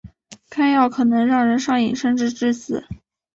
该药可能让人上瘾甚至致死。